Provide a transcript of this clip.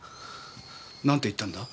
なんて言ったんだ？